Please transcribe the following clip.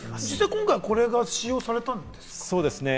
今回これは使用されたんですか？